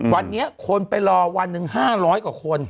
วันนี้คนไปรอวันหนึ่ง๕๐๐กว่าคน